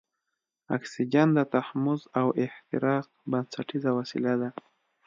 اکسیجن د تحمض او احتراق بنسټیزه وسیله ده.